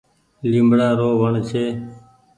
ليبڙآ رو وڻ ڇي۔